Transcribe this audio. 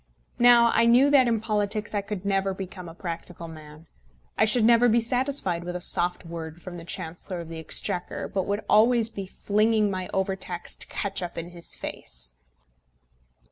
Now I knew that in politics I could never become a practical man. I should never be satisfied with a soft word from the Chancellor of the Exchequer, but would always be flinging my over taxed ketchup in his face.